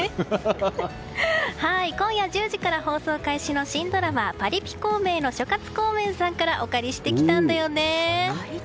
今夜１０時から放送開始の新ドラマ「パリピ孔明」諸葛孔明さんからお借りしてきました。